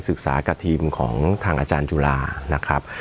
กับทีมของทางอาจารย์จุฬานะครับ